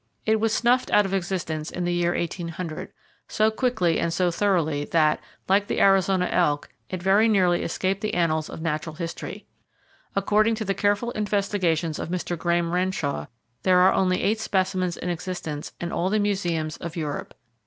It was snuffed out of existence in the year 1800, so quickly and so thoroughly that, like the Arizona elk, it very nearly escaped the annals of natural history. According to the careful investigations of Mr. Graham Renshaw, there are only eight specimens in existence in all the museums of Europe.